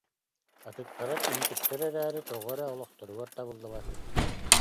Атыттара киһитиктэр эрээри, тоҕо эрэ олохторугар табыллыбаттар